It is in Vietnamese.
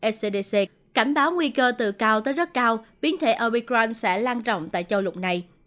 s c d c cảnh báo nguy cơ từ cao tới rất cao biến thể omicron sẽ lan trọng tại châu lục này